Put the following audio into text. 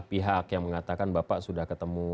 pihak yang mengatakan bapak sudah ketemu